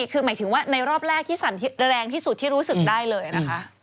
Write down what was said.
คือหมายถึงว่าในรอบแรกที่สั่นแรงที่สุดที่รู้สึกได้เลยนะคะ